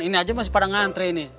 ini aja masih pada ngantri nih